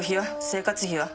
生活費は？